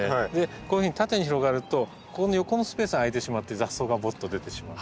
こういうふうに縦に広がるとここの横のスペースが空いてしまって雑草がぼっと出てしまう。